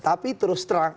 tapi terus terang